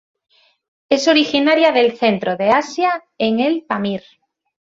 Es originaria del centro de Asia en el Pamir.